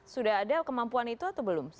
sudah ada kemampuan itu atau belum